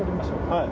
はい。